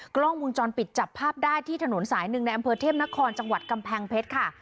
กล้องวงจรปิดจับภาพได้ที่ถนนสายหนึ่งในอำเภอเทพนครจังหวัดกำแพงเพชรค่ะ